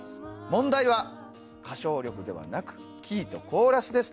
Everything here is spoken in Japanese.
問題は歌唱力ではなくキーとコーラスです。